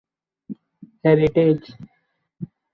Heritage.